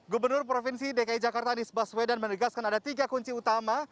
gubernur provinsi dki jakarta anies baswedan menegaskan ada tiga kunci utama